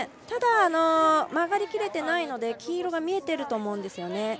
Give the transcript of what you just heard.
ただ曲がりきれてないので黄色が見えていると思うんです。